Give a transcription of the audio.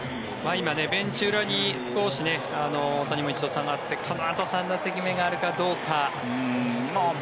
今、ベンチ裏に少し大谷も一度下がってこのあと３打席目があるかどうか。